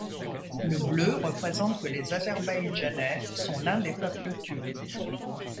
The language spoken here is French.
Le bleu représente que les Azerbaïdjanais sont l'un des peuples turcs.